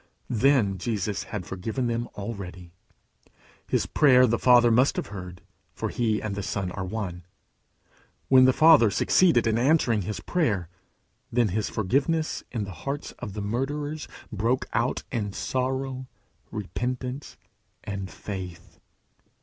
Then Jesus had forgiven them already. His prayer the Father must have heard, for he and the Son are one. When the Father succeeded in answering his prayer, then his forgiveness in the hearts of the murderers broke out in sorrow, repentance, and faith.